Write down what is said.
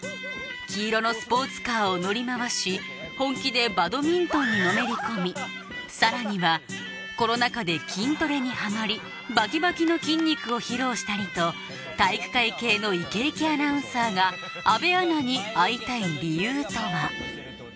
黄色のスポーツカーを乗り回し本気でバドミントンにのめり込みさらにはコロナ禍で筋トレにはまりバキバキの筋肉を披露したりと体育会系のイケイケアナウンサーが阿部アナに会いたい理由とは？